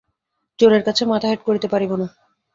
জোরের কাছে মাথা হেঁট করিতে পারিব না।